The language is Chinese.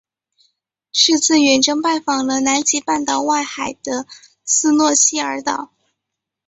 是次远征拜访了南极半岛外海的斯诺希尔岛。